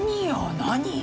何？